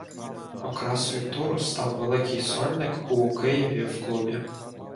Окрасою туру став великий сольник у Києві в клубі.